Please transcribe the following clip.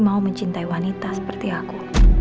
mau mencintai wanita seperti aku